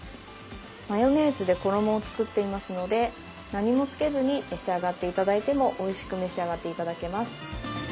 マヨネーズで衣を作っていますので何もつけずに召し上がって頂いてもおいしく召し上がって頂けます。